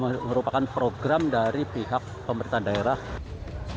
selain menyalankan peraturan umum kita juga menjalankan peraturan umum